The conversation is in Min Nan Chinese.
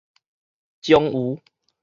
終於